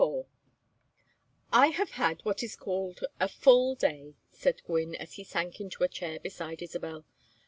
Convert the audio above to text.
XXIV "I have had what is called a full day," said Gwynne, as he sank into a chair beside Isabel.